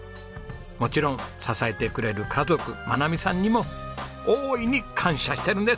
もちろん支えてくれる家族真奈美さんにも大いに感謝してるんです。